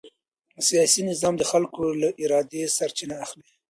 سیاسي نظام د خلکو له ارادې سرچینه اخلي